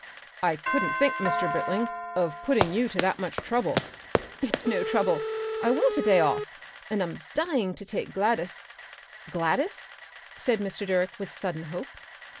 "I couldn't think, Mr. Britling, of putting you to that much trouble." "It's no trouble. I want a day off, and I'm dying to take Gladys " "Gladys?" said Mr. Direck with sudden hope.